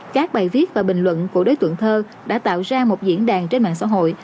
các bài viết và bình luận của đối tượng thơ đã tạo ra một diễn đàn trên mạng xã hội